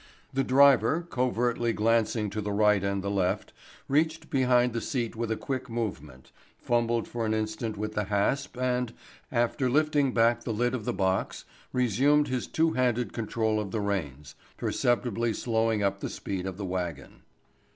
The driver, covertly glancing to the right and the left, reached behind the seat with a quick movement, fumbled for an instant with the hasp and, after lifting back the lid of the box, resumed his two handed control of the reins, perceptibly slowing up the speed of the wagon.